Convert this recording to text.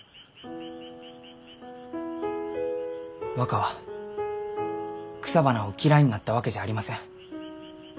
若は草花を嫌いになったわけじゃありません。